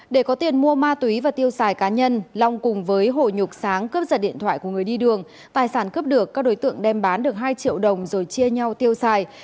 để có tiền mua ma túy và tiêu xài cá nhân long cùng với hồ nhục sáng cướp giật điện thoại của người đi đường tài sản cướp được các đối tượng đem bán được hai triệu đồng rồi chia nhau tiêu xài